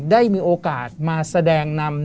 ได้มีโอกาสมาแสดงนำ